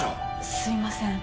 すみません。